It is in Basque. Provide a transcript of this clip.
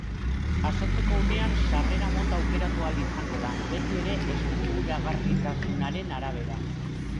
Jasotzeko unean sarrera mota aukeratu ahal izango da, beti ere eskuragarritasunaren arabera.